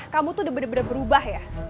kamu tuh udah bener bener berubah ya